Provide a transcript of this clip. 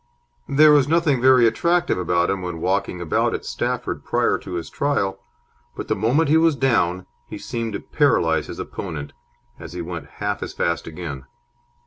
There was nothing very attractive about him when walking about at Stafford prior to his trial, but the moment he was down he seemed to paralyse his opponent, as he went half as fast again.